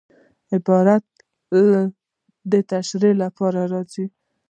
عبارت د تشریح له پاره راځي.